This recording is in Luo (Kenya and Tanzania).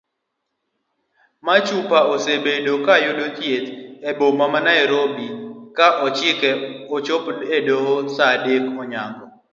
Machupa osebedo kayudo thieth eboma ma nairobi ka ochike ochop edoho saa adek onyango.